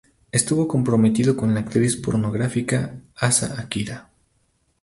Estuvo comprometido con la actriz pornográfica, Asa Akira.